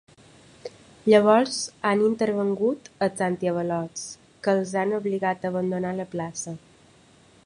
Llavors han intervingut els antiavalots, que els han obligat a abandonar la plaça.